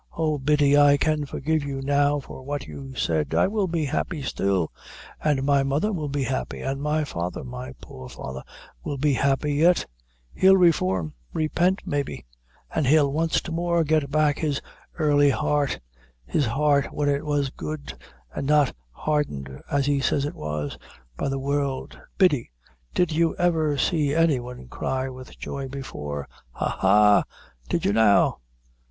Oh, Biddy, I can forgive you now for what you said I will be happy still an' my mother will be happy an' my father, my poor father will be happy yet; he'll reform repent maybe; an' he'll wanst more get back his early heart his heart when it was good, an' not hardened, as he says it was, by the world. Biddy, did you ever see any one cry with joy before ha ha did you now?"